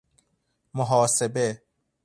محاسبه